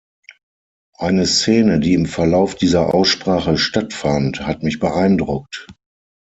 Eine Szene, die im Verlauf dieser Aussprache stattfand, hat mich beeindruckt.